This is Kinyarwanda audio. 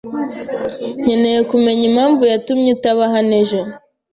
Nkeneye kumenya impamvu yatumye utaba hano ejo.